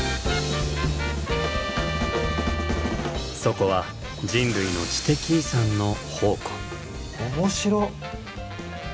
そこは人類の知的遺産の宝庫。